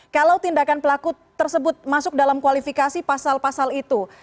kalau tindakan pelaku tersebut masuk dalam kualifikasi pasal pasal itu